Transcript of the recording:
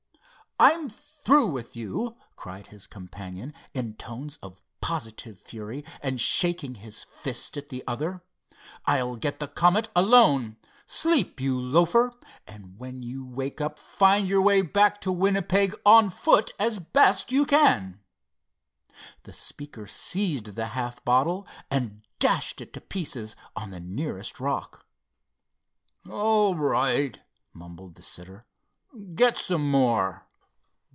"I'm through with you," cried his companion, in tones of positive fury, and shaking his fist at the other. "I'll get the Comet alone. Sleep, you loafer, and when you wake up find your way back to Winnipeg on foot as best you can." The speaker seized the half filled bottle and dashed it to pieces on the nearest rock. "All right," mumbled the sitter. "Get some more."